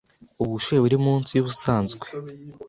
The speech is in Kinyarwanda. Ubushyuhe buri munsi yubusanzwe.